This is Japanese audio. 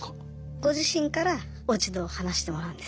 ご自身から落ち度を話してもらうんです。